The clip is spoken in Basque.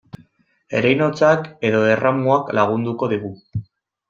Ereinotzak edo erramuak lagunduko digu.